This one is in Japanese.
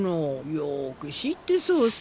よく知ってそうさ。